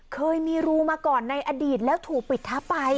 เคยมีรูมาก่อนในอดีตแล้วถูกปิดทับไป